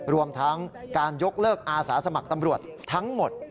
รวมทั้งการยกเลิกอาสาสมัครตำรวจทั้งหมด